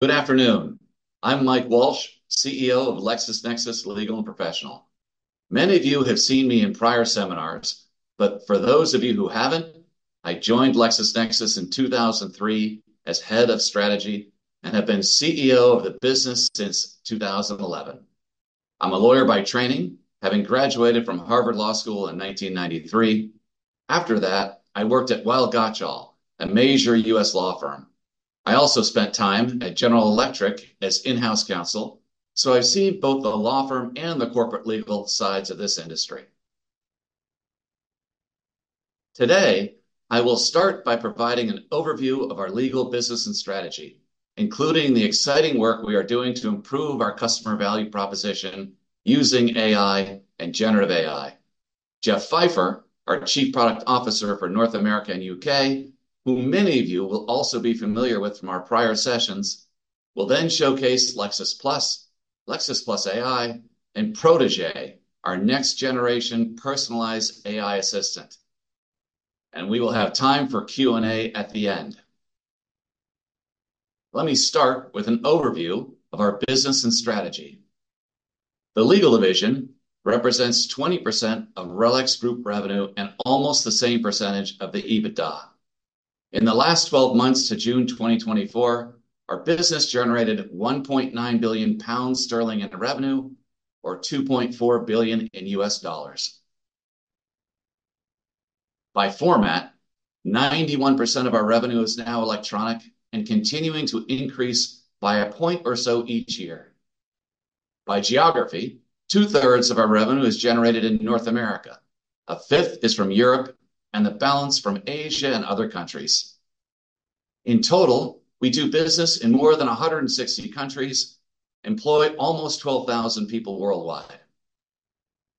Good afternoon. I'm Mike Walsh, CEO of LexisNexis Legal & Professional. Many of you have seen me in prior seminars, but for those of you who haven't, I joined LexisNexis in 2003 as Head of Strategy and have been CEO of the business since 2011. I'm a lawyer by training, having graduated from Harvard Law School in 1993. After that, I worked at Weil Gotshal, a major U.S. law firm. I also spent time at General Electric as in-house counsel, so I've seen both the law firm and the corporate legal sides of this industry. Today, I will start by providing an overview of our legal business and strategy, including the exciting work we are doing to improve our customer value proposition using AI and generative AI. Jeff Pfeifer, our Chief Product Officer for North America and the U.K., who many of you will also be familiar with from our prior sessions, will then showcase Lexis+, Lexis+ AI, and Protégé, our next-generation personalized AI assistant, and we will have time for Q&A at the end. Let me start with an overview of our business and strategy. The legal division represents 20% of RELX Group revenue and almost the same percentage of the EBITDA. In the last 12 months to June 2024, our business generated 1.9 billion pounds in revenue, or $2.4 billion. By format, 91% of our revenue is now electronic and continuing to increase by a point or so each year. By geography, two-thirds of our revenue is generated in North America, a fifth is from Europe, and the balance from Asia and other countries. In total, we do business in more than 160 countries, employ almost 12,000 people worldwide.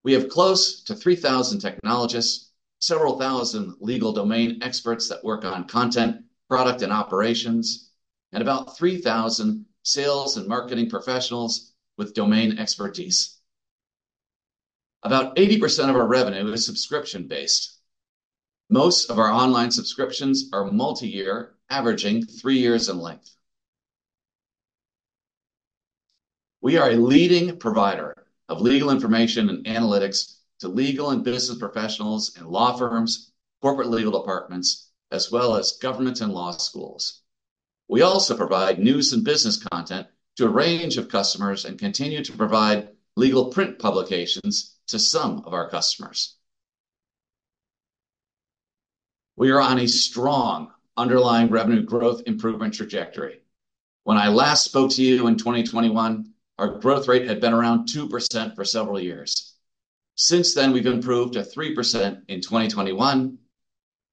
We have close to 3,000 technologists, several thousand legal domain experts that work on content, product, and operations, and about 3,000 sales and marketing professionals with domain expertise. About 80% of our revenue is subscription-based. Most of our online subscriptions are multi-year, averaging three years in length. We are a leading provider of legal information and analytics to legal and business professionals in law firms, corporate legal departments, as well as government and law schools. We also provide news and business content to a range of customers and continue to provide legal print publications to some of our customers. We are on a strong underlying revenue growth improvement trajectory. When I last spoke to you in 2021, our growth rate had been around 2% for several years. Since then, we've improved to 3% in 2021,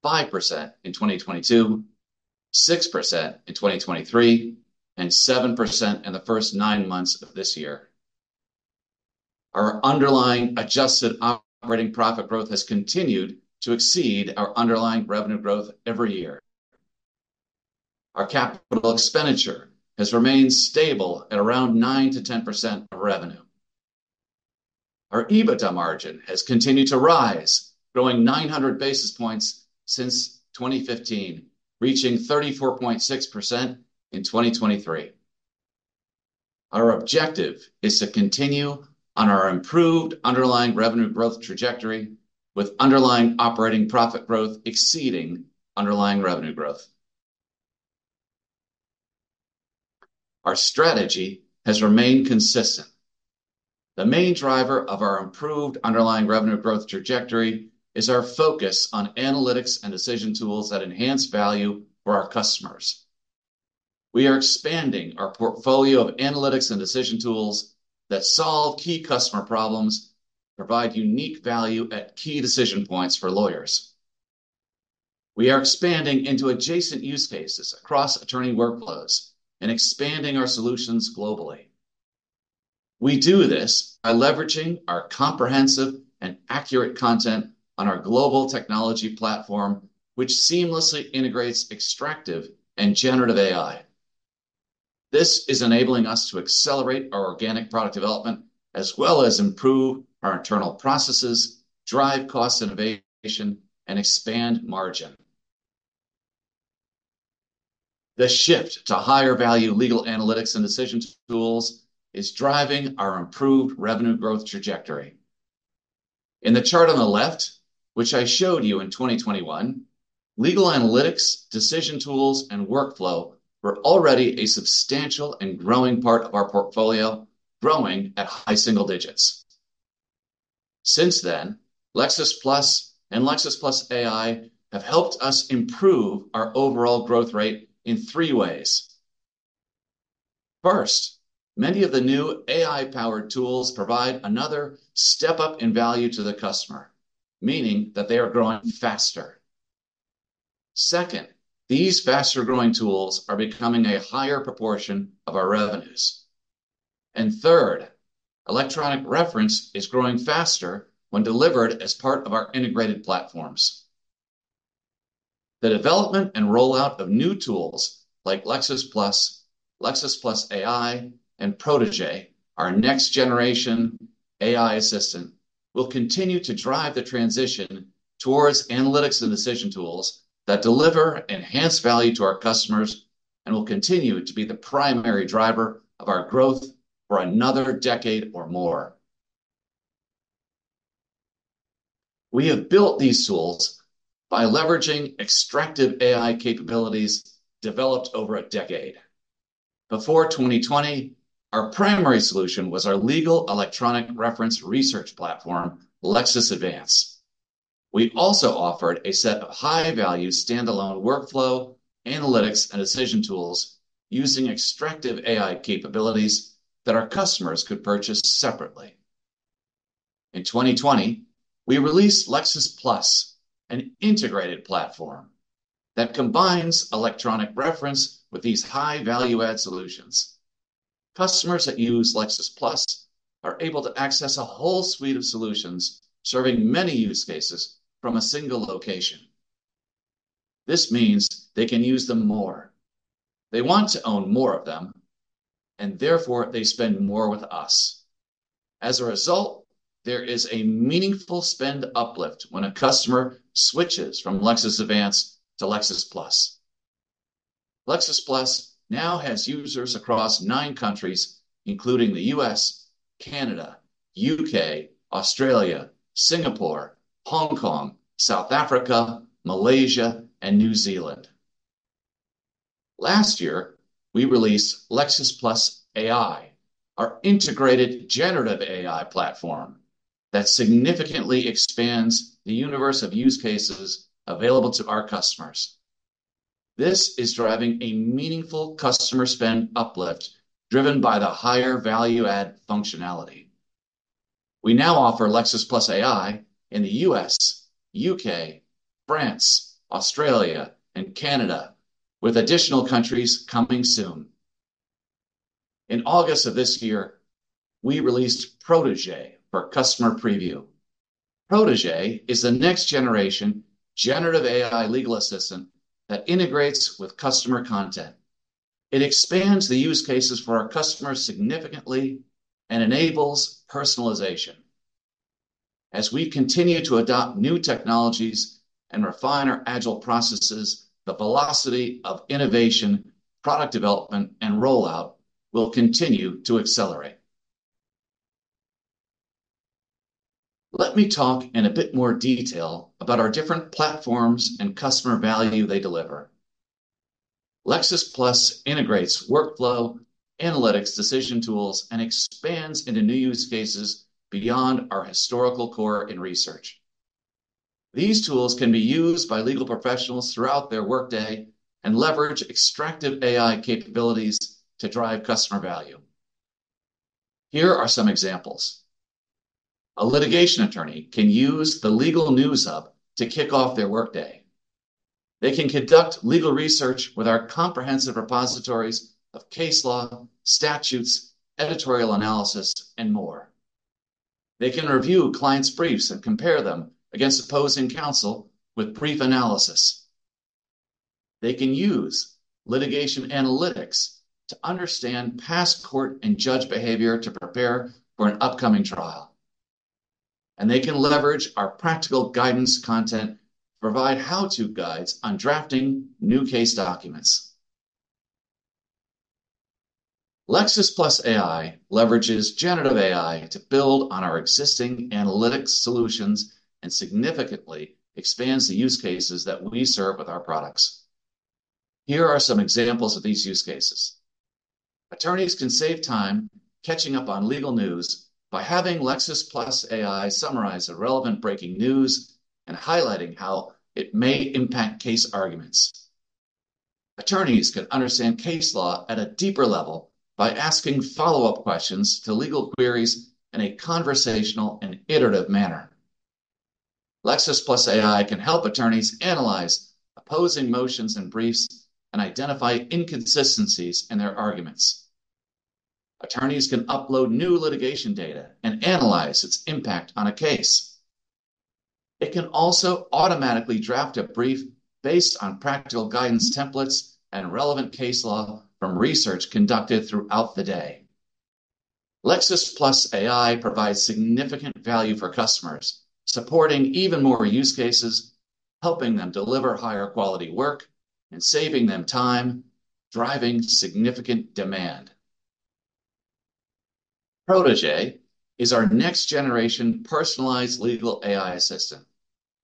5% in 2022, 6% in 2023, and 7% in the first nine months of this year. Our underlying adjusted operating profit growth has continued to exceed our underlying revenue growth every year. Our capital expenditure has remained stable at around 9%-10% of revenue. Our EBITDA margin has continued to rise, growing 900 basis points since 2015, reaching 34.6% in 2023. Our objective is to continue on our improved underlying revenue growth trajectory, with underlying operating profit growth exceeding underlying revenue growth. Our strategy has remained consistent. The main driver of our improved underlying revenue growth trajectory is our focus on analytics and decision tools that enhance value for our customers. We are expanding our portfolio of analytics and decision tools that solve key customer problems and provide unique value at key decision points for lawyers. We are expanding into adjacent use cases across attorney workflows and expanding our solutions globally. We do this by leveraging our comprehensive and accurate content on our global technology platform, which seamlessly integrates extractive and generative AI. This is enabling us to accelerate our organic product development, as well as improve our internal processes, drive cost innovation, and expand margin. The shift to higher-value legal analytics and decision tools is driving our improved revenue growth trajectory. In the chart on the left, which I showed you in 2021, legal analytics, decision tools, and workflow were already a substantial and growing part of our portfolio, growing at high single digits. Since then, Lexis+ and Lexis+ AI have helped us improve our overall growth rate in three ways. First, many of the new AI-powered tools provide another step up in value to the customer, meaning that they are growing faster. Second, these faster-growing tools are becoming a higher proportion of our revenues, and third, electronic reference is growing faster when delivered as part of our integrated platforms. The development and rollout of new tools like Lexis+, Lexis+ AI, and Protégé, our next-generation AI assistant, will continue to drive the transition toward analytics and decision tools that deliver enhanced value to our customers and will continue to be the primary driver of our growth for another decade or more. We have built these tools by leveraging extractive AI capabilities developed over a decade. Before 2020, our primary solution was our legal electronic reference research platform, Lexis Advance. We also offered a set of high-value standalone workflow analytics and decision tools using extractive AI capabilities that our customers could purchase separately. In 2020, we released Lexis+, an integrated platform that combines electronic reference with these high-value add solutions. Customers that use Lexis+ are able to access a whole suite of solutions serving many use cases from a single location. This means they can use them more. They want to own more of them, and therefore they spend more with us. As a result, there is a meaningful spend uplift when a customer switches from Lexis Advance to Lexis+. Lexis+ now has users across nine countries, including the U.S., Canada, the U.K., Australia, Singapore, Hong Kong, South Africa, Malaysia, and New Zealand. Last year, we released Lexis+ AI, our integrated generative AI platform that significantly expands the universe of use cases available to our customers. This is driving a meaningful customer spend uplift driven by the higher value add functionality. We now offer Lexis+ AI in the U.S., the U.K., France, Australia, and Canada, with additional countries coming soon. In August of this year, we released Protégé for customer preview. Protégé is the next-generation generative AI legal assistant that integrates with customer content. It expands the use cases for our customers significantly and enables personalization. As we continue to adopt new technologies and refine our agile processes, the velocity of innovation, product development, and rollout will continue to accelerate. Let me talk in a bit more detail about our different platforms and customer value they deliver. Lexis+ integrates workflow analytics, decision tools, and expands into new use cases beyond our historical core and research. These tools can be used by legal professionals throughout their workday and leverage extractive AI capabilities to drive customer value. Here are some examples. A litigation attorney can use the Legal News Hub to kick off their workday. They can conduct legal research with our comprehensive repositories of case law, statutes, editorial analysis, and more. They can review clients' briefs and compare them against opposing counsel with Brief Analysis. They can use Litigation Analytics to understand past court and judge behavior to prepare for an upcoming trial, and they can leverage our Practical Guidance content to provide how-to guides on drafting new case documents. Lexis+ AI leverages generative AI to build on our existing analytics solutions and significantly expands the use cases that we serve with our products. Here are some examples of these use cases. Attorneys can save time catching up on legal news by having Lexis+ AI summarize the relevant breaking news and highlighting how it may impact case arguments. Attorneys can understand case law at a deeper level by asking follow-up questions to legal queries in a conversational and iterative manner. Lexis+ AI can help attorneys analyze opposing motions and briefs and identify inconsistencies in their arguments. Attorneys can upload new litigation data and analyze its impact on a case. It can also automatically draft a brief based on Practical Guidance templates and relevant case law from research conducted throughout the day. Lexis+ AI provides significant value for customers, supporting even more use cases, helping them deliver higher-quality work and saving them time, driving significant demand. Protégé is our next-generation personalized legal AI assistant.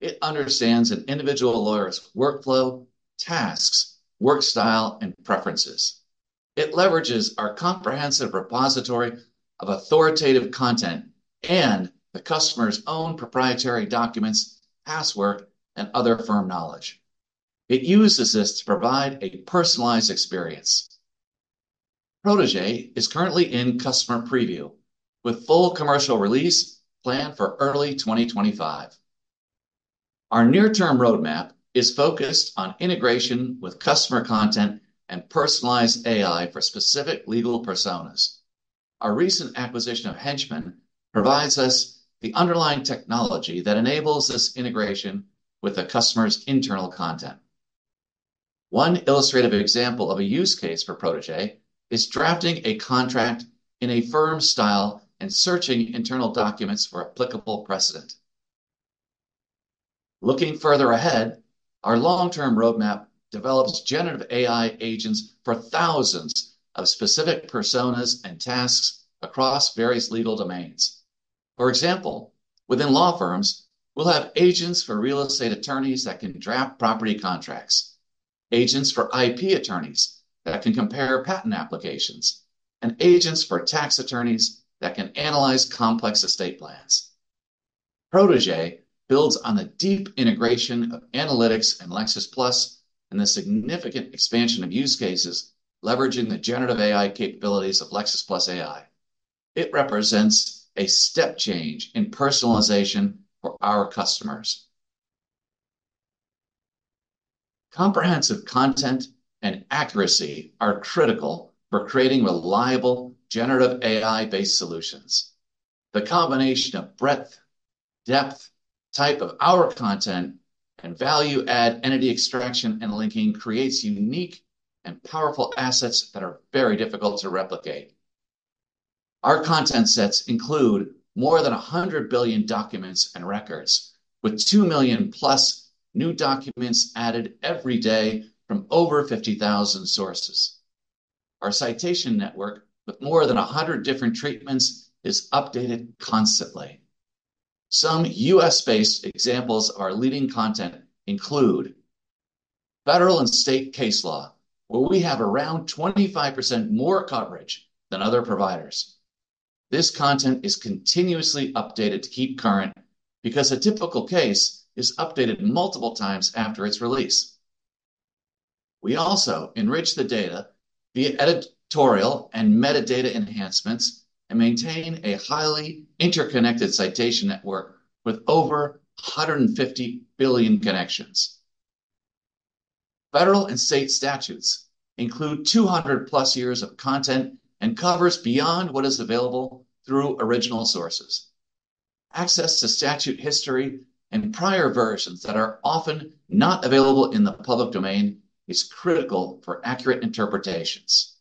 It understands an individual lawyer's workflow, tasks, work style, and preferences. It leverages our comprehensive repository of authoritative content and the customer's own proprietary documents, past work, and other firm knowledge. It uses this to provide a personalized experience. Protégé is currently in customer preview with full commercial release planned for early 2025. Our near-term roadmap is focused on integration with customer content and personalized AI for specific legal personas. Our recent acquisition of Henchman provides us the underlying technology that enables this integration with the customer's internal content. One illustrative example of a use case for Protégé is drafting a contract in a firm style and searching internal documents for applicable precedent. Looking further ahead, our long-term roadmap develops generative AI agents for thousands of specific personas and tasks across various legal domains. For example, within law firms, we'll have agents for real estate attorneys that can draft property contracts, agents for IP attorneys that can compare patent applications, and agents for tax attorneys that can analyze complex estate plans. Protégé builds on the deep integration of analytics and Lexis+ and the significant expansion of use cases leveraging the generative AI capabilities of Lexis+ AI. It represents a step change in personalization for our customers. Comprehensive content and accuracy are critical for creating reliable generative AI-based solutions. The combination of breadth, depth, type of our content, and value-add entity extraction and linking creates unique and powerful assets that are very difficult to replicate. Our content sets include more than 100 billion documents and records, with 2 million plus new documents added every day from over 50,000 sources. Our citation network with more than 100 different treatments is updated constantly. Some U.S.-based examples of our leading content include federal and state case law, where we have around 25% more coverage than other providers. This content is continuously updated to keep current because a typical case is updated multiple times after its release. We also enrich the data via editorial and metadata enhancements and maintain a highly interconnected citation network with over 150 billion connections. Federal and state statutes include 200 plus years of content and covers beyond what is available through original sources. Access to statute history and prior versions that are often not available in the public domain is critical for accurate interpretations.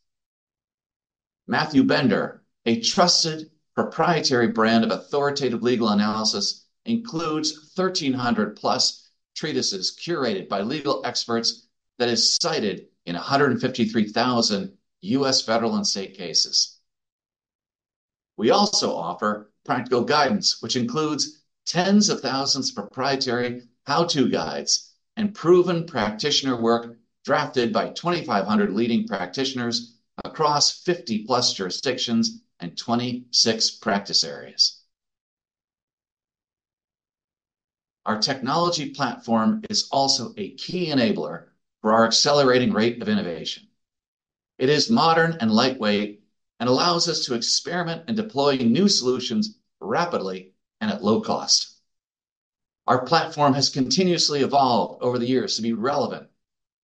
Matthew Bender, a trusted proprietary brand of authoritative legal analysis, includes 1,300 plus treatises curated by legal experts that is cited in 153,000 U.S. federal and state cases. We also offer Practical Guidance, which includes tens of thousands of proprietary how-to guides and proven practitioner work drafted by 2,500 leading practitioners across 50 plus jurisdictions and 26 practice areas. Our technology platform is also a key enabler for our accelerating rate of innovation. It is modern and lightweight and allows us to experiment and deploy new solutions rapidly and at low cost. Our platform has continuously evolved over the years to be relevant,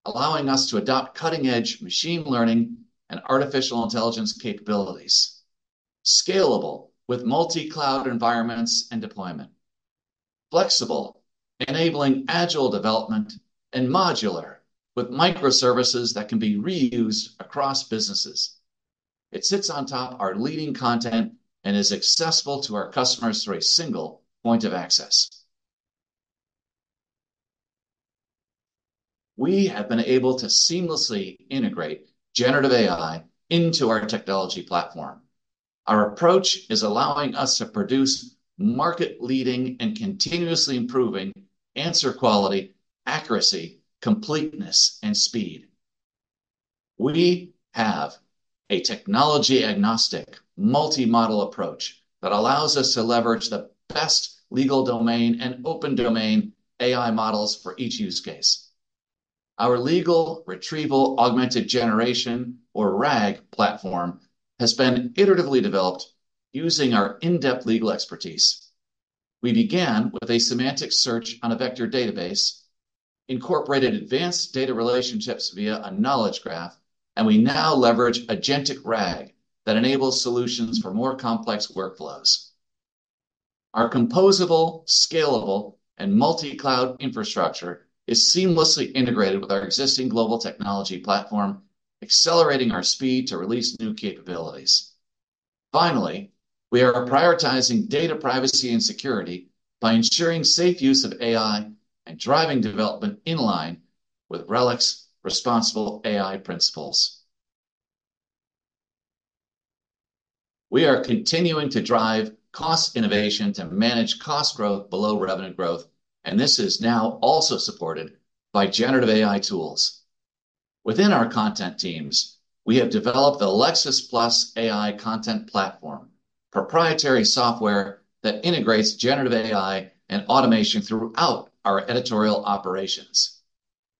allowing us to adopt cutting-edge machine learning and artificial intelligence capabilities, scalable with multi-cloud environments and deployment, flexible, enabling agile development, and modular with microservices that can be reused across businesses. It sits on top of our leading content and is accessible to our customers through a single point of access. We have been able to seamlessly integrate generative AI into our technology platform. Our approach is allowing us to produce market-leading and continuously improving answer quality, accuracy, completeness, and speed. We have a technology-agnostic multi-model approach that allows us to leverage the best legal domain and open domain AI models for each use case. Our legal retrieval augmented generation, or RAG, platform has been iteratively developed using our in-depth legal expertise. We began with a semantic search on a vector database, incorporated advanced data relationships via a knowledge graph, and we now leverage agentic RAG that enables solutions for more complex workflows. Our composable, scalable, and multi-cloud infrastructure is seamlessly integrated with our existing global technology platform, accelerating our speed to release new capabilities. Finally, we are prioritizing data privacy and security by ensuring safe use of AI and driving development in line with RELX responsible AI principles. We are continuing to drive cost innovation to manage cost growth below revenue growth, and this is now also supported by generative AI tools. Within our content teams, we have developed the Lexis+ AI content platform, proprietary software that integrates generative AI and automation throughout our editorial operations.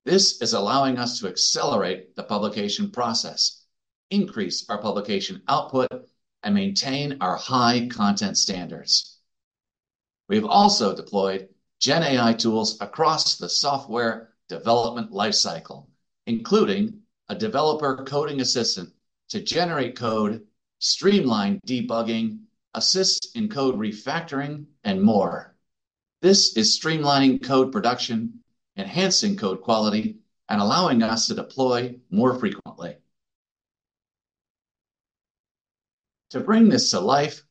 This is allowing us to accelerate the publication process, increase our publication output, and maintain our high content standards. We have also deployed GenAI tools across the software development lifecycle, including a developer coding assistant to generate code, streamline debugging, assist in code refactoring, and more. This is streamlining code production, enhancing code quality, and allowing us to deploy more frequently. To bring this to life,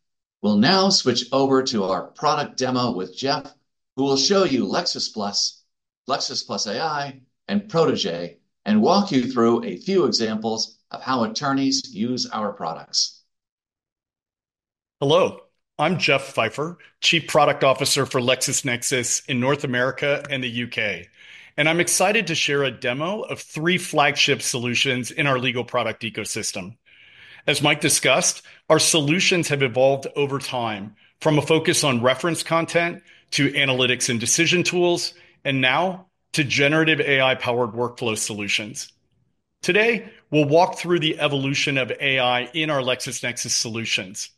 we'll now switch over to our product demo with Jeff, who will show you Lexis+, Lexis+ AI, and Protégé, and walk you through a few examples of how attorneys use our products. Hello, I'm Jeff Pfeifer, Chief Product Officer for LexisNexis in North America and the U.K., and I'm excited to share a demo of three flagship solutions in our legal product ecosystem. As Mike discussed, our solutions have evolved over time from a focus on reference content to analytics and decision tools, and now to generative AI-powered workflow solutions. Today, we'll walk through the evolution of AI in our LexisNexis solutions.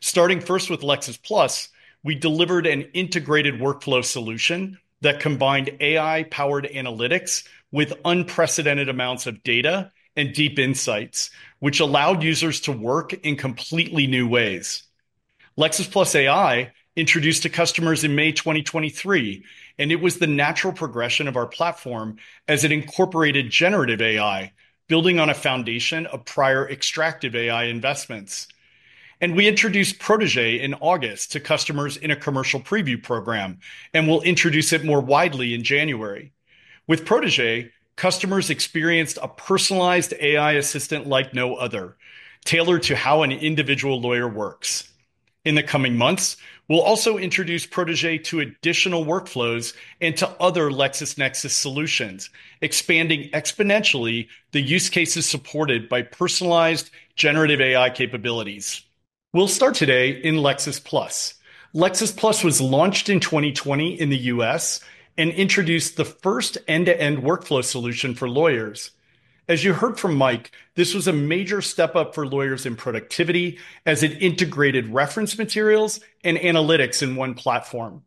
Starting first with Lexis+, we delivered an integrated workflow solution that combined AI-powered analytics with unprecedented amounts of data and deep insights, which allowed users to work in completely new ways. Lexis+ AI, introduced to customers in May 2023, and it was the natural progression of our platform as it incorporated generative AI, building on a foundation of prior extractive AI investments, and we introduced Protégé in August to customers in a commercial preview program and will introduce it more widely in January. With Protégé, customers experienced a personalized AI assistant like no other, tailored to how an individual lawyer works. In the coming months, we'll also introduce Protégé to additional workflows and to other LexisNexis solutions, expanding exponentially the use cases supported by personalized generative AI capabilities. We'll start today in Lexis+. Lexis+ was launched in 2020 in the U.S. and introduced the first end-to-end workflow solution for lawyers. As you heard from Mike, this was a major step up for lawyers in productivity as it integrated reference materials and analytics in one platform.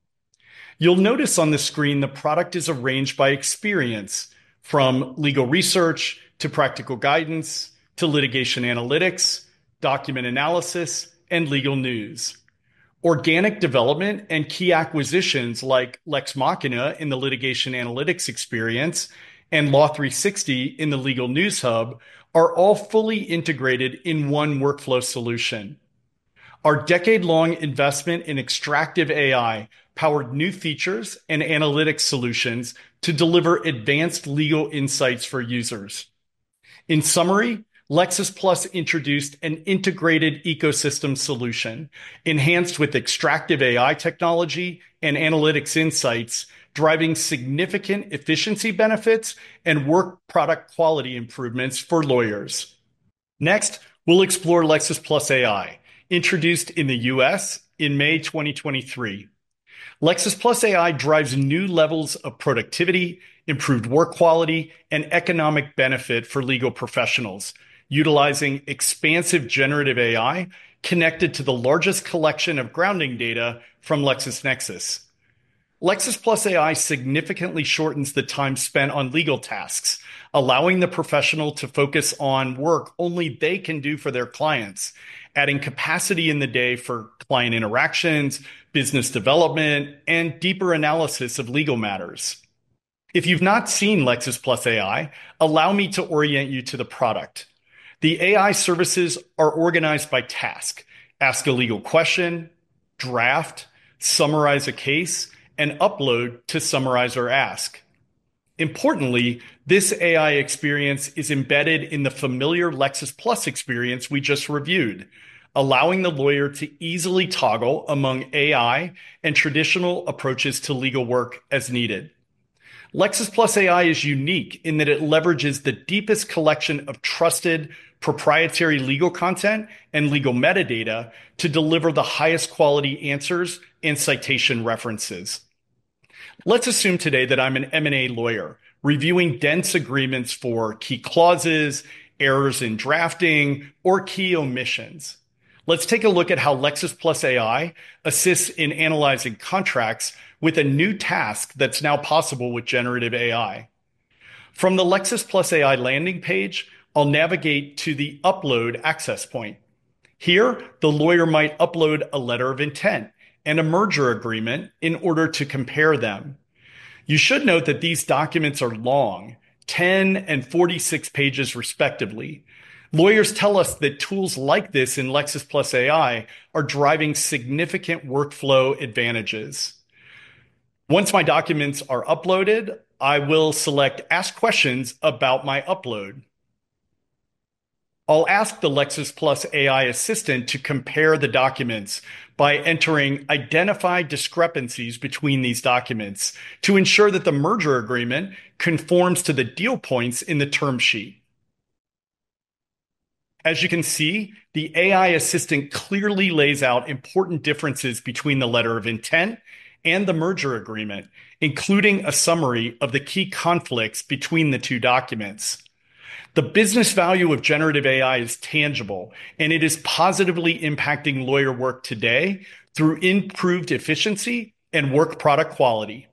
You'll notice on the screen the product is arranged by experience, from legal research to Practical Guidance to Litigation Analytics, document analysis, and legal news. Organic development and key acquisitions like Lex Machina in the Litigation Analytics experience and Law360 in the legal news hub are all fully integrated in one workflow solution. Our decade-long investment in extractive AI powered new features and analytic solutions to deliver advanced legal insights for users. In summary, Lexis+ introduced an integrated ecosystem solution enhanced with extractive AI technology and analytics insights, driving significant efficiency benefits and work product quality improvements for lawyers. Next, we'll explore Lexis+ AI, introduced in the U.S. in May 2023. Lexis+ AI drives new levels of productivity, improved work quality, and economic benefit for legal professionals, utilizing expansive generative AI connected to the largest collection of grounding data from LexisNexis. Lexis+ AI significantly shortens the time spent on legal tasks, allowing the professional to focus on work only they can do for their clients, adding capacity in the day for client interactions, business development, and deeper analysis of legal matters. If you've not seen Lexis+ AI, allow me to orient you to the product. The AI services are organized by task: ask a legal question, draft, summarize a case, and upload to summarize or ask. Importantly, this AI experience is embedded in the familiar Lexis+ experience we just reviewed, allowing the lawyer to easily toggle among AI and traditional approaches to legal work as needed. Lexis+ AI is unique in that it leverages the deepest collection of trusted proprietary legal content and legal metadata to deliver the highest quality answers and citation references. Let's assume today that I'm an M&A lawyer reviewing dense agreements for key clauses, errors in drafting, or key omissions. Let's take a look at how Lexis+ AI assists in analyzing contracts with a new task that's now possible with generative AI. From the Lexis+ AI landing page, I'll navigate to the upload access point. Here, the lawyer might upload a letter of intent and a merger agreement in order to compare them. You should note that these documents are long, 10 and 46 pages respectively. Lawyers tell us that tools like this in Lexis+ AI are driving significant workflow advantages. Once my documents are uploaded, I will select Ask Questions about my upload. I'll ask the Lexis+ AI assistant to compare the documents by entering Identify Discrepancies between these documents to ensure that the merger agreement conforms to the deal points in the term sheet. As you can see, the AI assistant clearly lays out important differences between the letter of intent and the merger agreement, including a summary of the key conflicts between the two documents. The business value of generative AI is tangible, and it is positively impacting lawyer work today through improved efficiency and work product quality.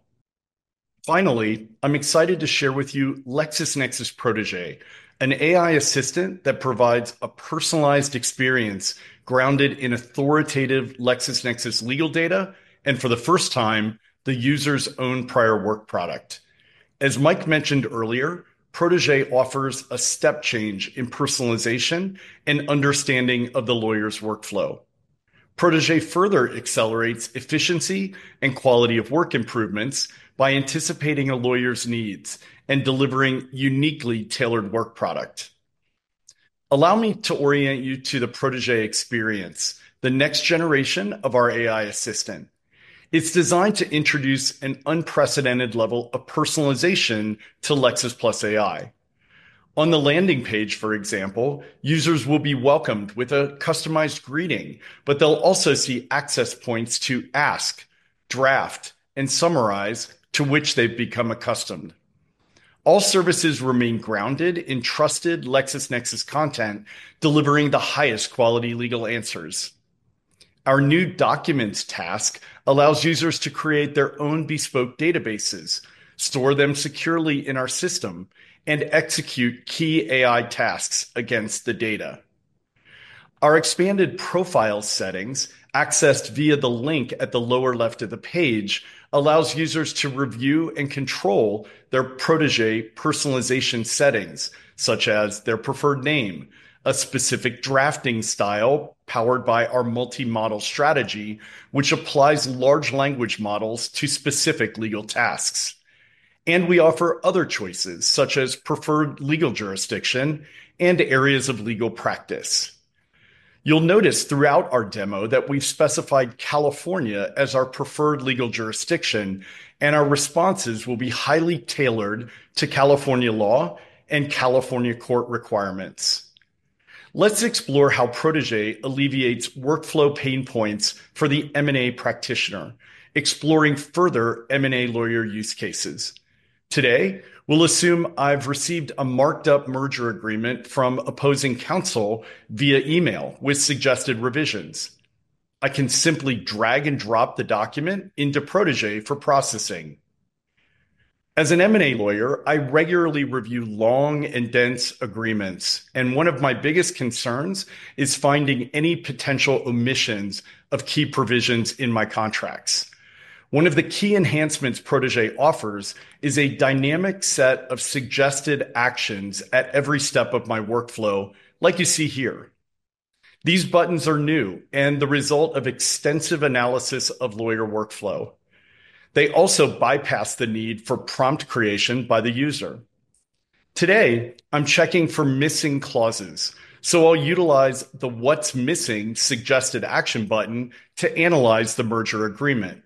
Finally, I'm excited to share with you LexisNexis Protégé, an AI assistant that provides a personalized experience grounded in authoritative LexisNexis legal data and, for the first time, the user's own prior work product. As Mike mentioned earlier, Protégé offers a step change in personalization and understanding of the lawyer's workflow. Protégé further accelerates efficiency and quality of work improvements by anticipating a lawyer's needs and delivering uniquely tailored work product. Allow me to orient you to the Protégé experience, the next generation of our AI assistant. It's designed to introduce an unprecedented level of personalization to Lexis+ AI. On the landing page, for example, users will be welcomed with a customized greeting, but they'll also see access points to ask, draft, and summarize to which they've become accustomed. All services remain grounded in trusted LexisNexis content, delivering the highest quality legal answers. Our new documents task allows users to create their own bespoke databases, store them securely in our system, and execute key AI tasks against the data. Our expanded profile settings, accessed via the link at the lower left of the page, allows users to review and control their Protégé personalization settings, such as their preferred name, a specific drafting style powered by our multi-model strategy, which applies large language models to specific legal tasks. And we offer other choices, such as preferred legal jurisdiction and areas of legal practice. You'll notice throughout our demo that we've specified California as our preferred legal jurisdiction, and our responses will be highly tailored to California law and California court requirements. Let's explore how Protégé alleviates workflow pain points for the M&A practitioner, exploring further M&A lawyer use cases. Today, we'll assume I've received a marked-up merger agreement from opposing counsel via email with suggested revisions. I can simply drag and drop the document into Protégé for processing. As an M&A lawyer, I regularly review long and dense agreements, and one of my biggest concerns is finding any potential omissions of key provisions in my contracts. One of the key enhancements Protégé offers is a dynamic set of suggested actions at every step of my workflow, like you see here. These buttons are new and the result of extensive analysis of lawyer workflow. They also bypass the need for prompt creation by the user. Today, I'm checking for missing clauses, so I'll utilize the What's Missing suggested action button to analyze the merger agreement.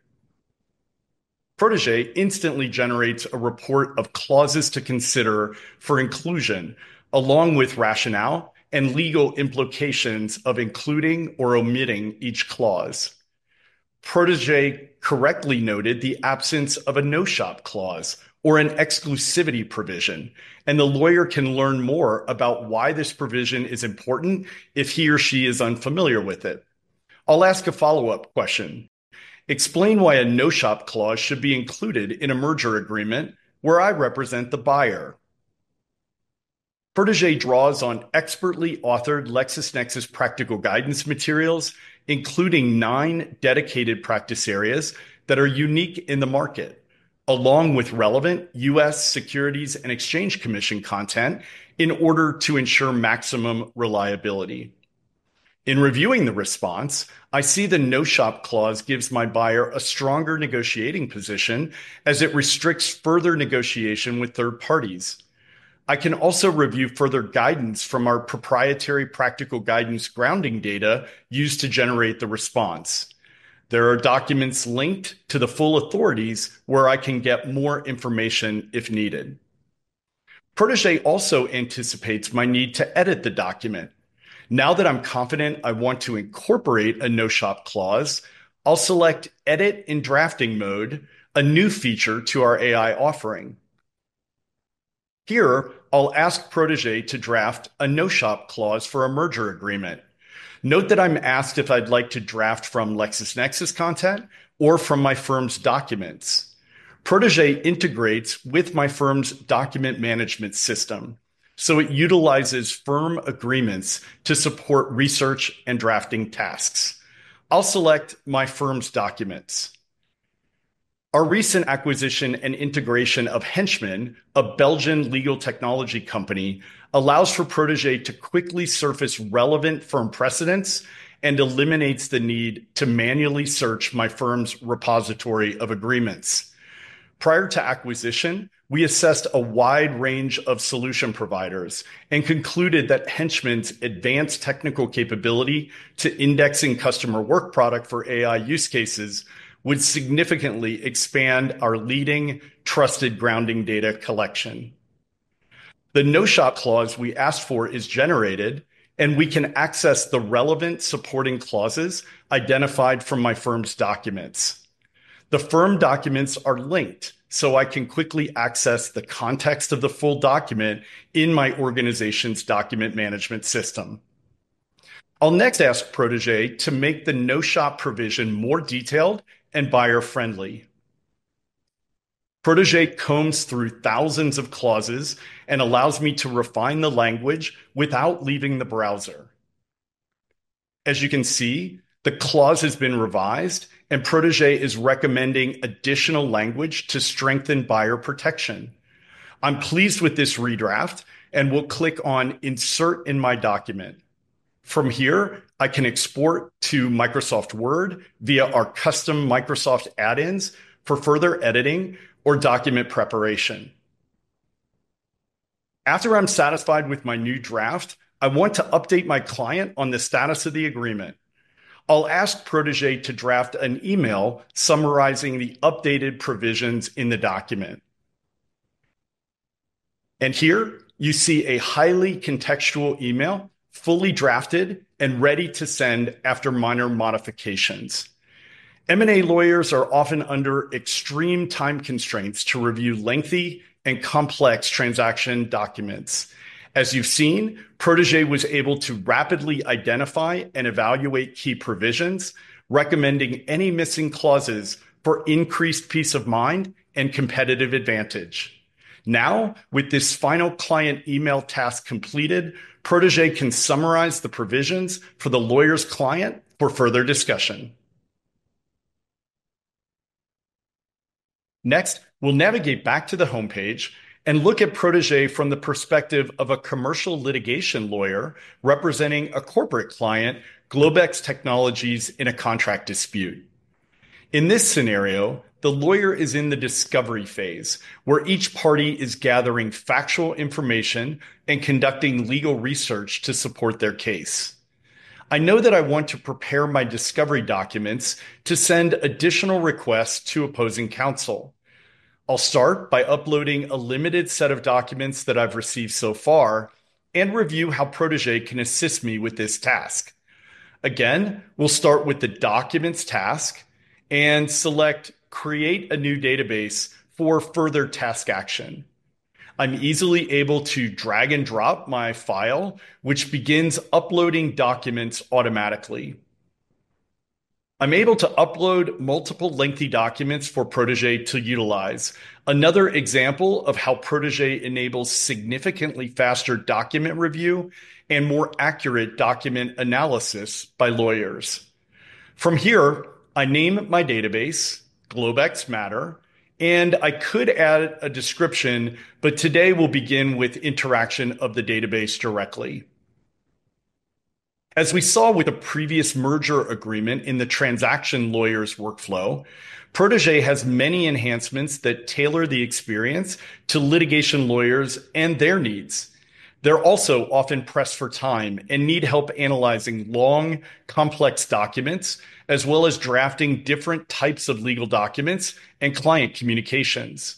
Protégé instantly generates a report of clauses to consider for inclusion, along with rationale and legal implications of including or omitting each clause. Protégé correctly noted the absence of a no-shop clause or an exclusivity provision, and the lawyer can learn more about why this provision is important if he or she is unfamiliar with it. I'll ask a follow-up question. Explain why a no-shop clause should be included in a merger agreement where I represent the buyer? Protégé draws on expertly authored LexisNexis Practical Guidance materials, including nine dedicated practice areas that are unique in the market, along with relevant U.S. Securities and Exchange Commission content in order to ensure maximum reliability. In reviewing the response, I see the no-shop clause gives my buyer a stronger negotiating position as it restricts further negotiation with third parties. I can also review further guidance from our proprietary Practical Guidance grounding data used to generate the response. There are documents linked to the full authorities where I can get more information if needed. Protégé also anticipates my need to edit the document. Now that I'm confident I want to incorporate a no-shop clause, I'll select Edit in Drafting Mode, a new feature to our AI offering. Here, I'll ask Protégé to draft a no-shop clause for a merger agreement. Note that I'm asked if I'd like to draft from LexisNexis content or from my firm's documents. Protégé integrates with my firm's document management system, so it utilizes firm agreements to support research and drafting tasks. I'll select my firm's documents. Our recent acquisition and integration of Henchman, a Belgian legal technology company, allows for Protégé to quickly surface relevant firm precedents and eliminates the need to manually search my firm's repository of agreements. Prior to acquisition, we assessed a wide range of solution providers and concluded that Henchman's advanced technical capability to indexing customer work product for AI use cases would significantly expand our leading trusted grounding data collection. The no-shop clause we asked for is generated, and we can access the relevant supporting clauses identified from my firm's documents. The firm documents are linked, so I can quickly access the context of the full document in my organization's document management system. I'll next ask Protégé to make the no-shop provision more detailed and buyer-friendly. Protégé combs through thousands of clauses and allows me to refine the language without leaving the browser. As you can see, the clause has been revised, and Protégé is recommending additional language to strengthen buyer protection. I'm pleased with this redraft, and we'll click on Insert in My Document. From here, I can export to Microsoft Word via our custom Microsoft add-ins for further editing or document preparation. After I'm satisfied with my new draft, I want to update my client on the status of the agreement. I'll ask Protégé to draft an email summarizing the updated provisions in the document. And here, you see a highly contextual email, fully drafted and ready to send after minor modifications. M&A lawyers are often under extreme time constraints to review lengthy and complex transaction documents. As you've seen, Protégé was able to rapidly identify and evaluate key provisions, recommending any missing clauses for increased peace of mind and competitive advantage. Now, with this final client email task completed, Protégé can summarize the provisions for the lawyer's client for further discussion. Next, we'll navigate back to the homepage and look at Protégé from the perspective of a commercial litigation lawyer representing a corporate client, Globex Technologies, in a contract dispute. In this scenario, the lawyer is in the discovery phase where each party is gathering factual information and conducting legal research to support their case. I know that I want to prepare my discovery documents to send additional requests to opposing counsel. I'll start by uploading a limited set of documents that I've received so far and review how Protégé can assist me with this task. Again, we'll start with the documents task and select Create a New Database for further task action. I'm easily able to drag and drop my file, which begins uploading documents automatically. I'm able to upload multiple lengthy documents for Protégé to utilize, another example of how Protégé enables significantly faster document review and more accurate document analysis by lawyers. From here, I name my database, Globex Matter, and I could add a description, but today we'll begin with interaction of the database directly. As we saw with a previous merger agreement in the transaction lawyer's workflow, Protégé has many enhancements that tailor the experience to litigation lawyers and their needs. They're also often pressed for time and need help analyzing long, complex documents, as well as drafting different types of legal documents and client communications.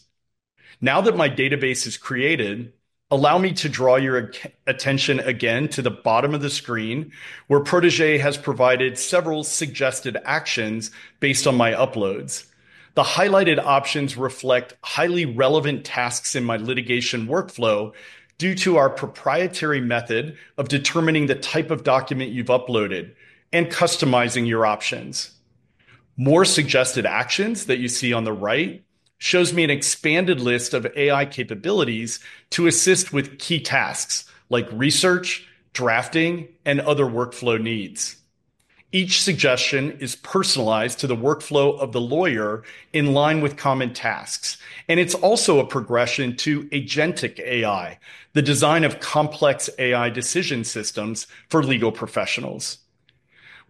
Now that my database is created, allow me to draw your attention again to the bottom of the screen where Protégé has provided several suggested actions based on my uploads. The highlighted options reflect highly relevant tasks in my litigation workflow due to our proprietary method of determining the type of document you've uploaded and customizing your options. More suggested actions that you see on the right shows me an expanded list of AI capabilities to assist with key tasks like research, drafting, and other workflow needs. Each suggestion is personalized to the workflow of the lawyer in line with common tasks, and it's also a progression to agentic AI, the design of complex AI decision systems for legal professionals.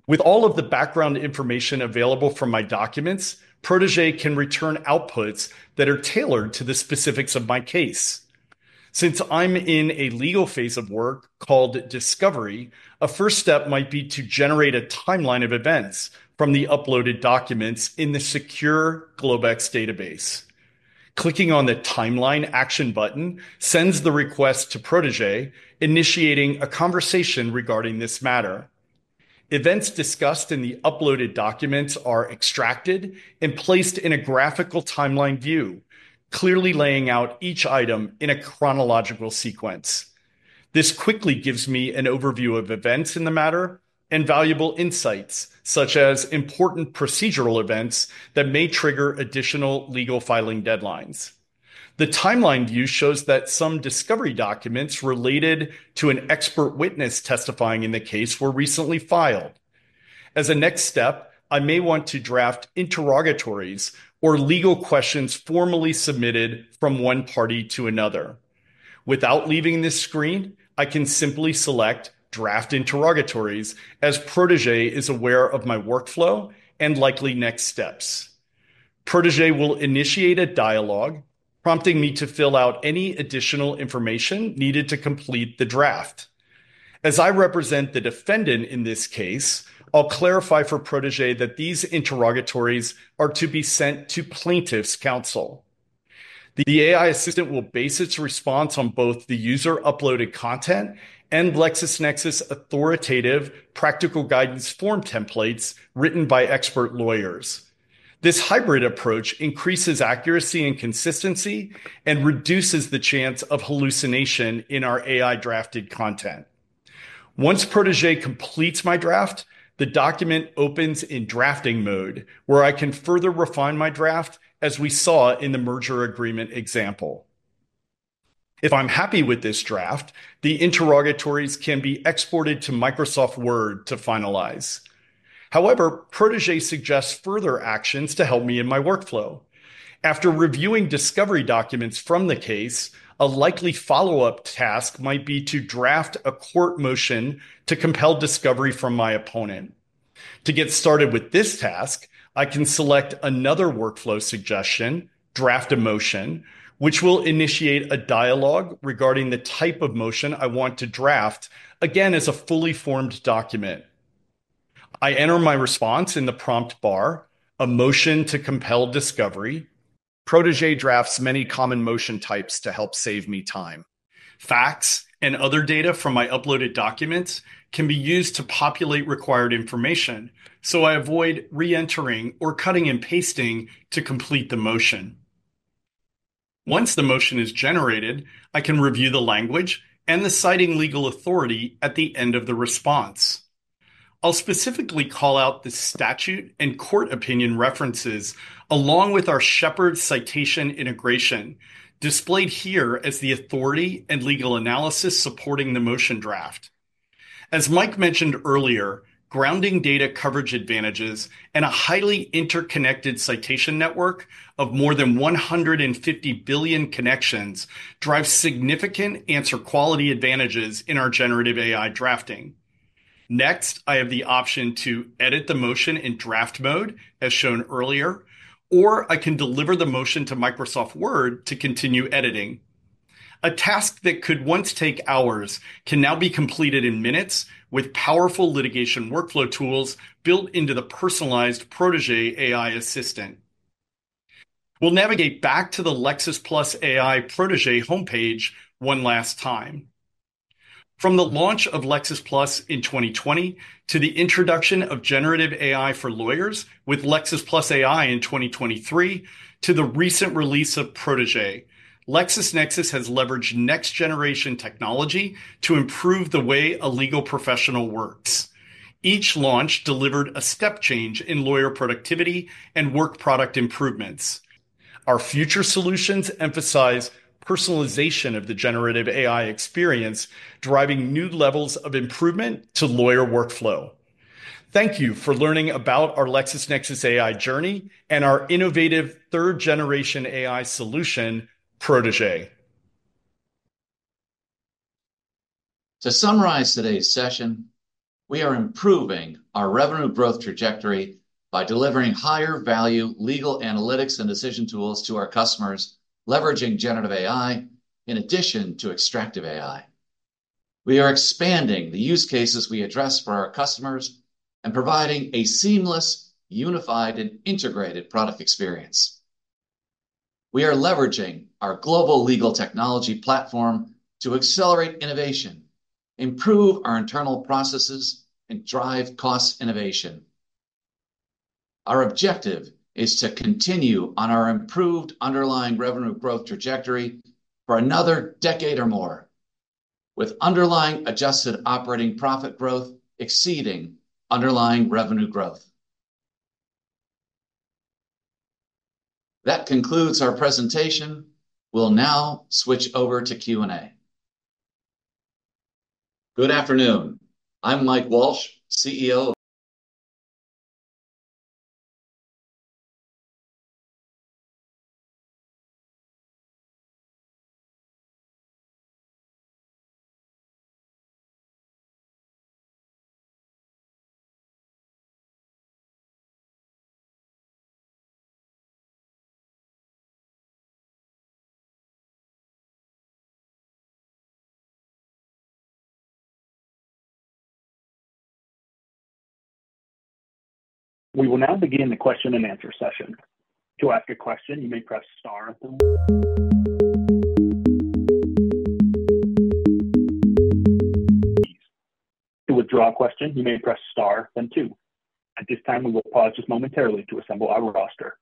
With all of the background information available from my documents, Protégé can return outputs that are tailored to the specifics of my case. Since I'm in a legal phase of work called discovery, a first step might be to generate a timeline of events from the uploaded documents in the secure Globex database. Clicking on the Timeline Action button sends the request to Protégé, initiating a conversation regarding this matter. Events discussed in the uploaded documents are extracted and placed in a graphical timeline view, clearly laying out each item in a chronological sequence. This quickly gives me an overview of events in the matter and valuable insights, such as important procedural events that may trigger additional legal filing deadlines. The timeline view shows that some discovery documents related to an expert witness testifying in the case were recently filed. As a next step, I may want to draft interrogatories or legal questions formally submitted from one party to another. Without leaving this screen, I can simply select Draft Interrogatories as Protégé is aware of my workflow and likely next steps. Protégé will initiate a dialogue prompting me to fill out any additional information needed to complete the draft. As I represent the defendant in this case, I'll clarify for Protégé that these interrogatories are to be sent to Plaintiff's Counsel. The AI assistant will base its response on both the user-uploaded content and LexisNexis authoritative Practical Guidance form templates written by expert lawyers. This hybrid approach increases accuracy and consistency and reduces the chance of hallucination in our AI-drafted content. Once Protégé completes my draft, the document opens in drafting mode where I can further refine my draft as we saw in the merger agreement example. If I'm happy with this draft, the interrogatories can be exported to Microsoft Word to finalize. However, Protégé suggests further actions to help me in my workflow. After reviewing discovery documents from the case, a likely follow-up task might be to draft a court motion to compel discovery from my opponent. To get started with this task, I can select another workflow suggestion, Draft a Motion, which will initiate a dialogue regarding the type of motion I want to draft, again as a fully formed document. I enter my response in the prompt bar, A Motion to Compel Discovery. Protégé drafts many common motion types to help save me time. Facts and other data from my uploaded documents can be used to populate required information, so I avoid re-entering or cutting and pasting to complete the motion. Once the motion is generated, I can review the language and the citing legal authority at the end of the response. I'll specifically call out the statute and court opinion references along with our Shepard's Citation integration displayed here as the authority and legal analysis supporting the motion draft. As Mike mentioned earlier, grounding data coverage advantages and a highly interconnected citation network of more than 150 billion connections drive significant answer quality advantages in our generative AI drafting. Next, I have the option to edit the motion in draft mode, as shown earlier, or I can deliver the motion to Microsoft Word to continue editing. A task that could once take hours can now be completed in minutes with powerful litigation workflow tools built into the personalized Protégé AI assistant. We'll navigate back to the Lexis+ AI Protégé homepage one last time. From the launch of Lexis+ in 2020 to the introduction of generative AI for lawyers with Lexis+ AI in 2023 to the recent release of Protégé, LexisNexis has leveraged next-generation technology to improve the way a legal professional works. Each launch delivered a step change in lawyer productivity and work product improvements. Our future solutions emphasize personalization of the generative AI experience, driving new levels of improvement to lawyer workflow. Thank you for learning about our LexisNexis AI journey and our innovative third-generation AI solution, Protégé. To summarize today's session, we are improving our revenue growth trajectory by delivering higher-value legal analytics and decision tools to our customers, leveraging generative AI in addition to extractive AI. We are expanding the use cases we address for our customers and providing a seamless, unified, and integrated product experience. We are leveraging our global legal technology platform to accelerate innovation, improve our internal processes, and drive cost innovation. Our objective is to continue on our improved underlying revenue growth trajectory for another decade or more, with underlying adjusted operating profit growth exceeding underlying revenue growth. That concludes our presentation. We'll now switch over to Q&A. Good afternoon. I'm Mike Walsh, CEO. We will now begin the question and answer session. To ask a question, you may press star, then one. To withdraw a question, you may press star, then two. At this time, we will pause just momentarily to assemble our roster,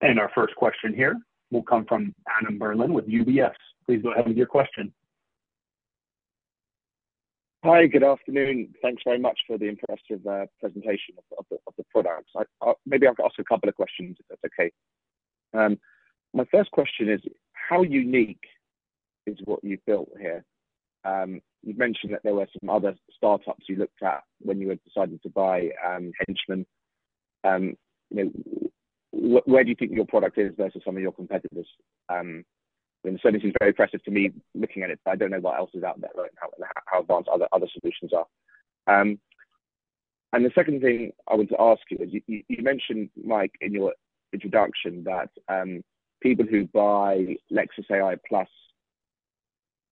and our first question here will come from Adam Berlin with UBS. Please go ahead with your question. Hi, good afternoon. Thanks very much for the impressive presentation of the products. Maybe I'll ask a couple of questions if that's okay. My first question is, how unique is what you've built here? You've mentioned that there were some other startups you looked at when you had decided to buy Henchman. Where do you think your product is versus some of your competitors? Certainly, it's very impressive to me looking at it, but I don't know what else is out there right now and how advanced other solutions are. And the second thing I want to ask you is, you mentioned, Mike, in your introduction that people who buy Lexis+ AI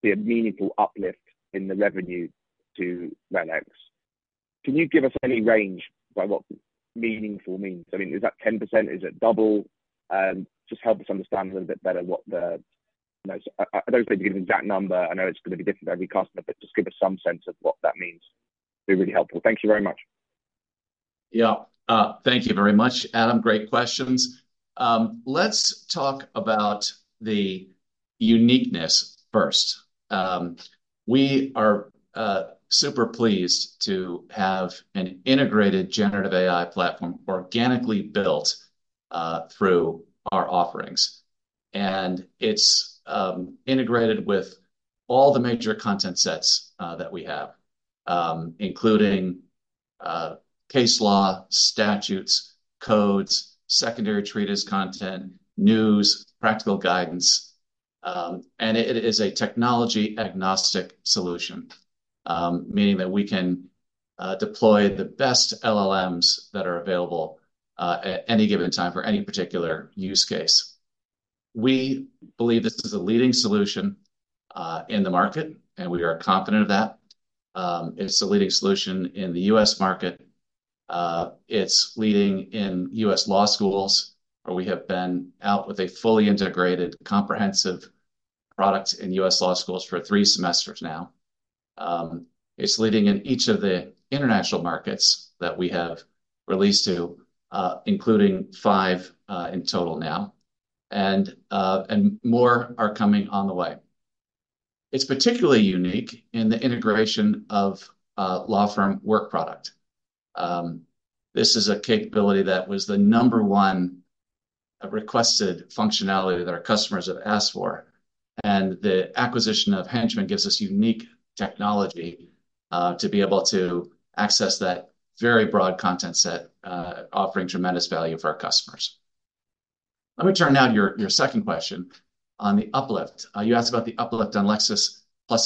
see a meaningful uplift in the revenue to RELX. Can you give us any range by what meaningful means? I mean, is that 10%? Is it double? Just help us understand a little bit better what the—I don't think you give an exact number. I know it's going to be different for every customer, but just give us some sense of what that means. It'd be really helpful. Thank you very much. Yeah. Thank you very much, Adam. Great questions. Let's talk about the uniqueness first. We are super pleased to have an integrated generative AI platform organically built through our offerings. And it's integrated with all the major content sets that we have, including case law, statutes, codes, secondary treatise content, news, Practical Guidance. It is a technology-agnostic solution, meaning that we can deploy the best LLMs that are available at any given time for any particular use case. We believe this is a leading solution in the market, and we are confident of that. It is a leading solution in the U.S. market. It is leading in U.S. law schools, where we have been out with a fully integrated, comprehensive product in U.S. law schools for three semesters now. It is leading in each of the international markets that we have released to, including five in total now. More are coming on the way. It is particularly unique in the integration of law firm work product. This is a capability that was the number one requested functionality that our customers have asked for. And the acquisition of Henchman gives us unique technology to be able to access that very broad content set, offering tremendous value for our customers. Let me turn now to your second question on the uplift. You asked about the uplift on Lexis+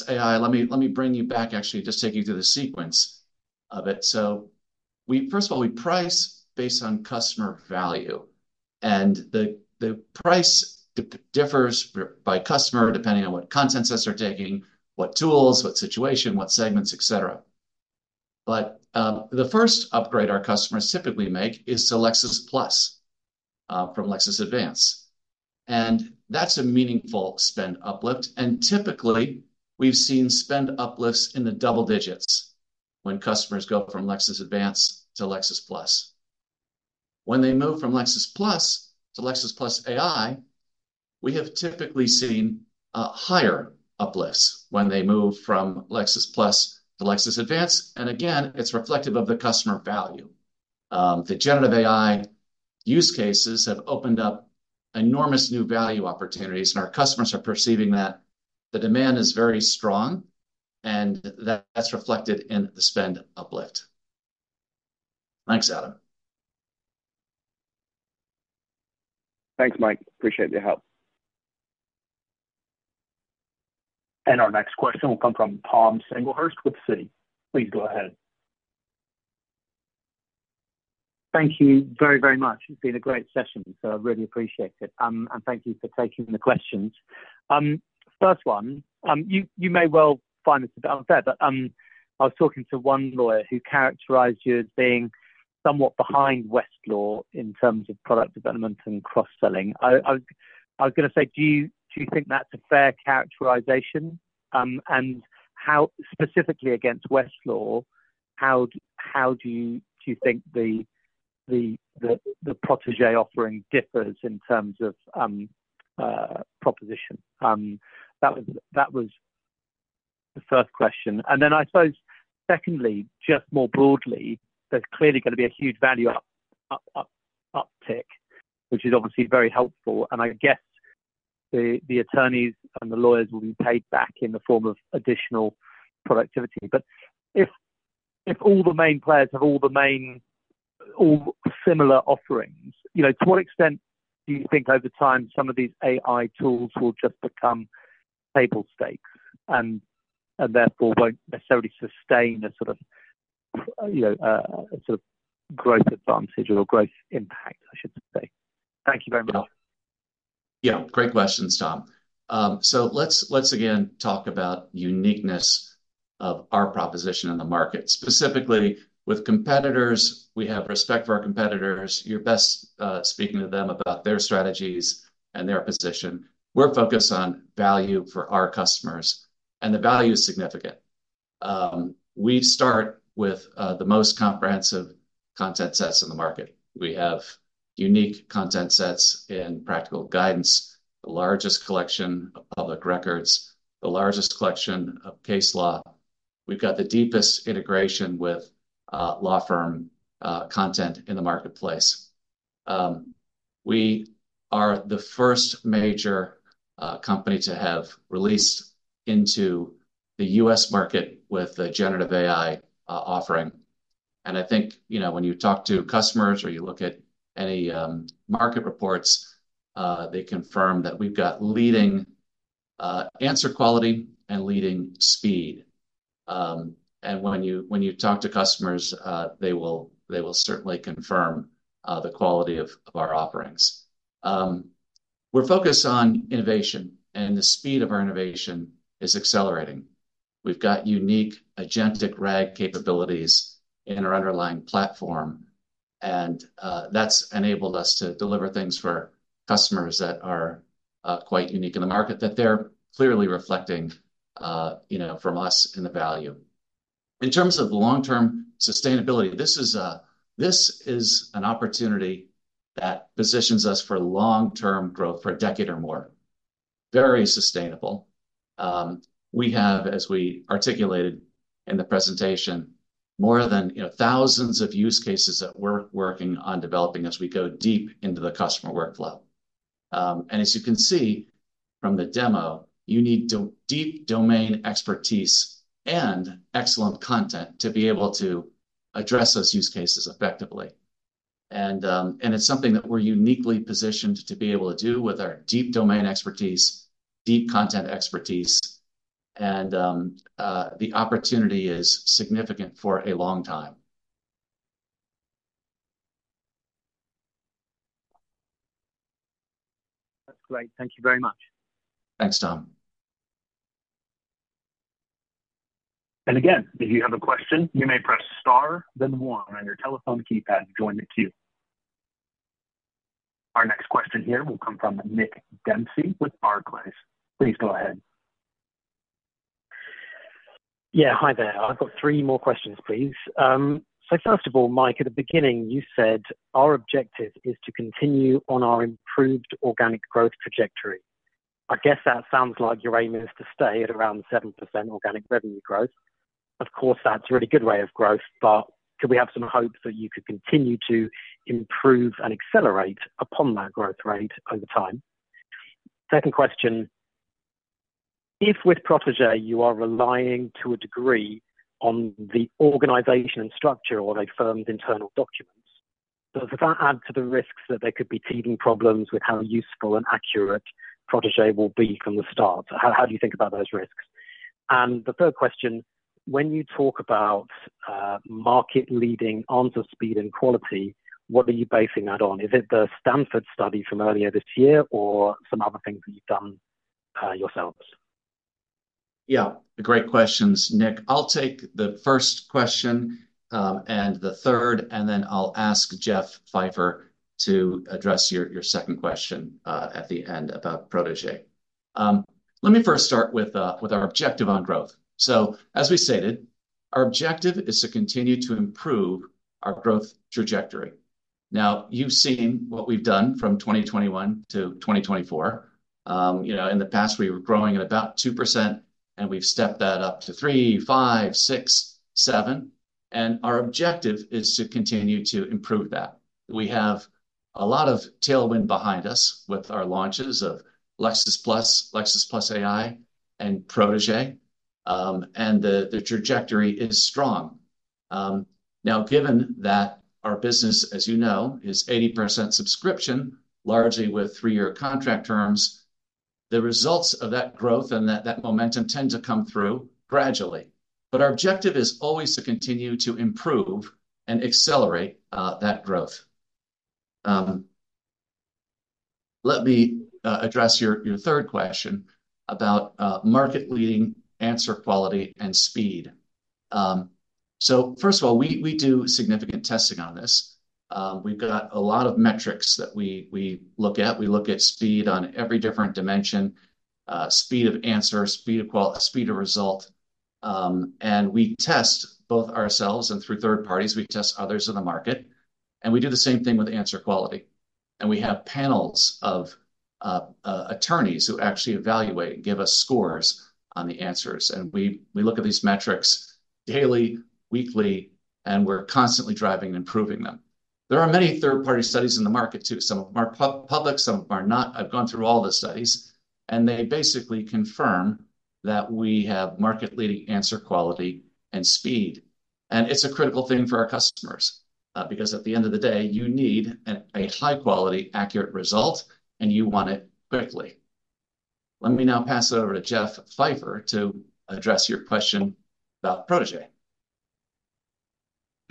AI. Let me bring you back, actually, just take you through the sequence of it. So first of all, we price based on customer value. And the price differs by customer depending on what content sets they're taking, what tools, what situation, what segments, etc. But the first upgrade our customers typically make is to Lexis+ from Lexis Advance. And that's a meaningful spend uplift. And typically, we've seen spend uplifts in the double digits when customers go from Lexis Advance to Lexis+. When they move from Lexis+ to Lexis+ AI, we have typically seen higher uplifts when they move from Lexis+ to Lexis Advance. And again, it's reflective of the customer value. The generative AI use cases have opened up enormous new value opportunities, and our customers are perceiving that the demand is very strong, and that's reflected in the spend uplift. Thanks, Adam. Thanks, Mike. Appreciate the help. And our next question will come from Tom Singlehurst with Citi. Please go ahead. Thank you very, very much. It's been a great session, so I really appreciate it. And thank you for taking the questions. First one, you may well find this a bit unfair, but I was talking to one lawyer who characterized you as being somewhat behind Westlaw in terms of product development and cross-selling. I was going to say, do you think that's a fair characterization? And specifically against Westlaw, how do you think the Protégé offering differs in terms of proposition? That was the first question. Then I suppose, secondly, just more broadly, there's clearly going to be a huge value uptick, which is obviously very helpful. I guess the attorneys and the lawyers will be paid back in the form of additional productivity. But if all the main players have all the similar offerings, to what extent do you think over time some of these AI tools will just become table stakes and therefore won't necessarily sustain a sort of growth advantage or growth impact, I should say? Thank you very much. Yeah. Great questions, Tom. Let's again talk about the uniqueness of our proposition in the market. Specifically, with competitors, we have respect for our competitors. You're best speaking to them about their strategies and their position. We're focused on value for our customers, and the value is significant. We start with the most comprehensive content sets in the market. We have unique content sets in Practical Guidance, the largest collection of public records, the largest collection of case law. We've got the deepest integration with law firm content in the marketplace. We are the first major company to have released into the U.S. market with the generative AI offering, and I think when you talk to customers or you look at any market reports, they confirm that we've got leading answer quality and leading speed, and when you talk to customers, they will certainly confirm the quality of our offerings. We're focused on innovation, and the speed of our innovation is accelerating. We've got unique agentic RAG capabilities in our underlying platform, and that's enabled us to deliver things for customers that are quite unique in the market that they're clearly reflecting from us in the value. In terms of long-term sustainability, this is an opportunity that positions us for long-term growth for a decade or more. Very sustainable. We have, as we articulated in the presentation, more than thousands of use cases that we're working on developing as we go deep into the customer workflow. And as you can see from the demo, you need deep domain expertise and excellent content to be able to address those use cases effectively. And it's something that we're uniquely positioned to be able to do with our deep domain expertise, deep content expertise, and the opportunity is significant for a long time. That's great. Thank you very much. Thanks, Tom. And again, if you have a question, you may press star, then one, on your telephone keypad to join the queue. Our next question here will come from Nick Dempsey with Barclays. Please go ahead. Yeah. Hi there. I've got three more questions, please. So first of all, Mike, at the beginning, you said, "Our objective is to continue on our improved organic growth trajectory." I guess that sounds like your aim is to stay at around seven% organic revenue growth. Of course, that's a really good rate of growth, but could we have some hope that you could continue to improve and accelerate upon that growth rate over time? Second question, if with Protégé you are relying to a degree on the organization and structure of a firm's internal documents, does that add to the risks that there could be teething problems with how useful and accurate Protégé will be from the start? How do you think about those risks? And the third question, when you talk about market-leading onto speed and quality, what are you basing that on? Is it the Stanford study from earlier this year or some other things that you've done yourselves? Yeah. Great questions, Nick. I'll take the first question and the third, and then I'll ask Jeff Pfeifer to address your second question at the end about Protégé. Let me first start with our objective on growth. So as we stated, our objective is to continue to improve our growth trajectory. Now, you've seen what we've done from 2021 to 2024. In the past, we were growing at about 2%, and we've stepped that up to 3%, 5%, 6%, 7%. And our objective is to continue to improve that. We have a lot of tailwind behind us with our launches of Lexis+, Lexis+ AI, and Protégé, and the trajectory is strong. Now, given that our business, as you know, is 80% subscription, largely with three-year contract terms, the results of that growth and that momentum tend to come through gradually. But our objective is always to continue to improve and accelerate that growth. Let me address your third question about market-leading answer quality and speed. So first of all, we do significant testing on this. We've got a lot of metrics that we look at. We look at speed on every different dimension: speed of answer, speed of result. And we test both ourselves and through third parties. We test others in the market. And we do the same thing with answer quality. And we have panels of attorneys who actually evaluate and give us scores on the answers. And we look at these metrics daily, weekly, and we're constantly driving and improving them. There are many third-party studies in the market, too. Some of them are public. Some of them are not. I've gone through all the studies, and they basically confirm that we have market-leading answer quality and speed. And it's a critical thing for our customers because at the end of the day, you need a high-quality, accurate result, and you want it quickly. Let me now pass it over to Jeff Pfeifer to address your question about Protégé.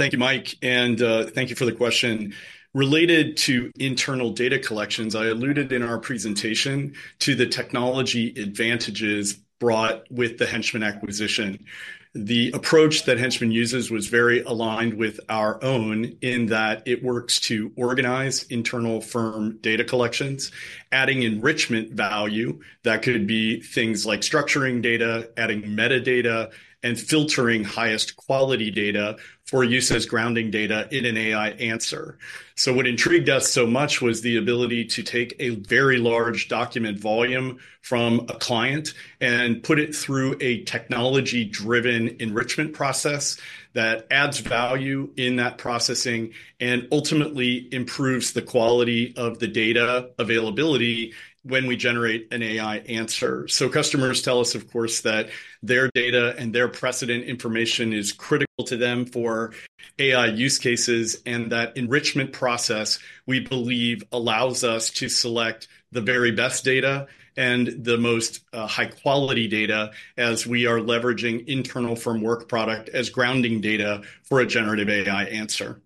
Thank you, Mike. And thank you for the question. Related to internal data collections, I alluded in our presentation to the technology advantages brought with the Henchman acquisition. The approach that Henchman uses was very aligned with our own in that it works to organize internal firm data collections, adding enrichment value. That could be things like structuring data, adding metadata, and filtering highest quality data for use as grounding data in an AI answer. So what intrigued us so much was the ability to take a very large document volume from a client and put it through a technology-driven enrichment process that adds value in that processing and ultimately improves the quality of the data availability when we generate an AI answer. So customers tell us, of course, that their data and their precedent information is critical to them for AI use cases and that enrichment process, we believe, allows us to select the very best data and the most high-quality data as we are leveraging internal firm work product as grounding data for a generative AI answer.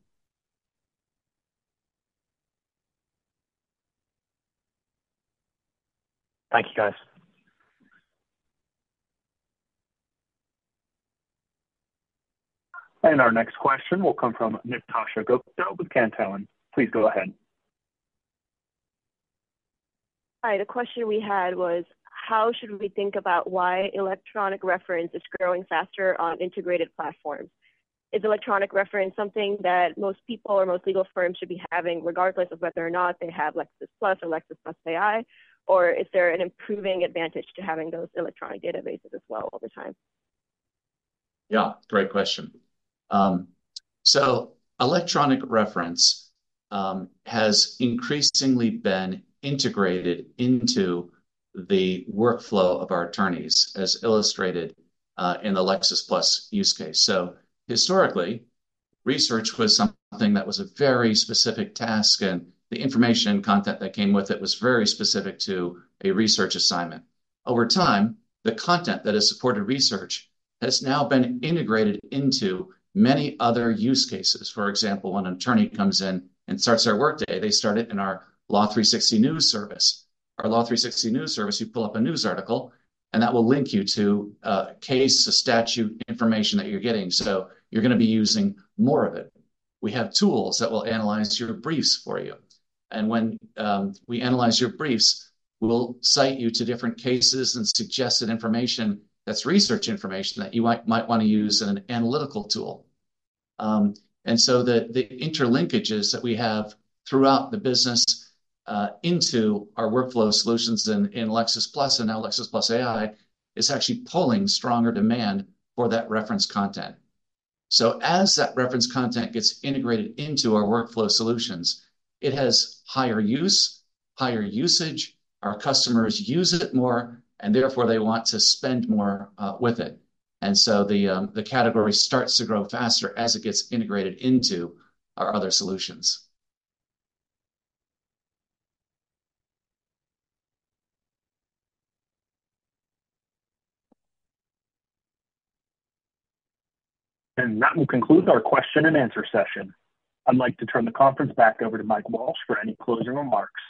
Thank you, guys. And our next question will come from Natasha Gupta with Cantillon. Please go ahead. Hi. The question we had was, how should we think about why electronic reference is growing faster on integrated platforms? Is electronic reference something that most people or most legal firms should be having, regardless of whether or not they have Lexis+ or Lexis+ AI, or is there an improving advantage to having those electronic databases as well over time? Yeah. Great question. So electronic reference has increasingly been integrated into the workflow of our attorneys, as illustrated in the Lexis+ use case. So historically, research was something that was a very specific task, and the information and content that came with it was very specific to a research assignment. Over time, the content that has supported research has now been integrated into many other use cases. For example, when an attorney comes in and starts their workday, they start it in our Law360 news service. Our Law360 news service. You pull up a news article, and that will link you to a case or statute information that you're getting. So you're going to be using more of it. We have tools that will analyze your briefs for you. And when we analyze your briefs, we'll cite you to different cases and suggested information that's research information that you might want to use in an analytical tool. And so the interlinkages that we have throughout the business into our workflow solutions in Lexis+ and now Lexis+ AI is actually pulling stronger demand for that reference content. So as that reference content gets integrated into our workflow solutions, it has higher use, higher usage. Our customers use it more, and therefore they want to spend more with it. And so the category starts to grow faster as it gets integrated into our other solutions. And that will conclude our question and answer session. I'd like to turn the conference back over to Mike Walsh for any closing remarks.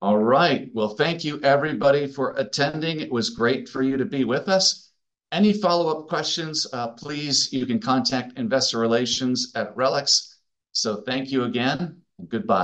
All right. Well, thank you, everybody, for attending. It was great for you to be with us. Any follow-up questions, please, you can contact Investor Relations at RELX. So thank you again, and goodbye.